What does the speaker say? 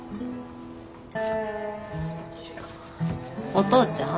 お父ちゃん